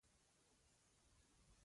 نه دي پر لنده پرېږدي، نه پر وچه.